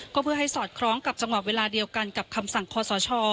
ก็เพื่อให้สอดคล้องกับจังหวะเวลาเดียวกันกับคำสั่งคอสช